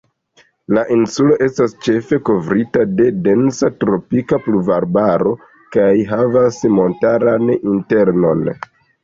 La insulo estas ĉefe kovrita de densa tropika pluvarbaro kaj havas montaran internon.